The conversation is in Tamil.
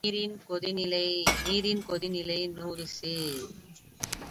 நீரின் கொதிநிலை நூறு செ.